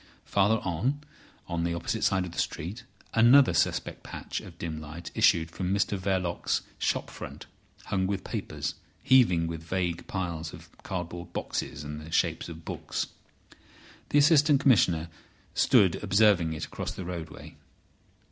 Farther on, on the opposite side of the street, another suspect patch of dim light issued from Mr Verloc's shop front, hung with papers, heaving with vague piles of cardboard boxes and the shapes of books. The Assistant Commissioner stood observing it across the roadway.